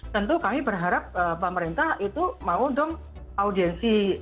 tentu kami berharap pemerintah itu mau dong audiensi